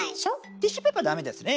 ティッシュペーパーダメですね。